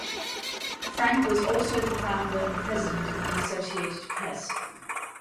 Frank was also the founder and president of the Associated Press.